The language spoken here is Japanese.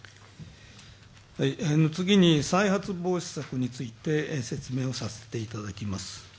次に再発防止策について説明させていただきます。